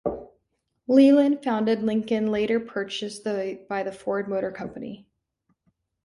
Leland founded Lincoln, later purchased by the Ford Motor Company.